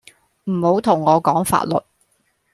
唔好同我講法律